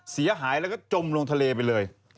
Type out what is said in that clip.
เสียหายแล้วก็จมลงทะเลไปเลย